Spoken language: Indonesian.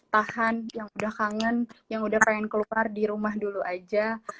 tahan yang udah kangen yang udah pengen keluar di rumah dulu aja